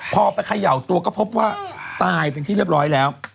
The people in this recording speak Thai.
พอไปเขย่าตัวก็พบว่าตายเป็นที่เรียบร้อยแล้ว